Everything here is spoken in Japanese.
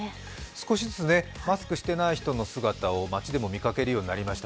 少しずつマスクしてない人の姿を街でも見かけるようになりました。